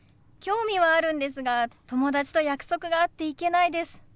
興味はあるんですが友達と約束があって行けないです。